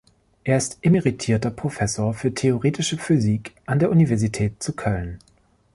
Er ist emeritierter Professor für Theoretische Physik an der Universität zu Köln.